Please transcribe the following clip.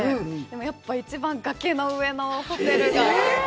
やっぱ一番、崖の上のホテルがえっえ！？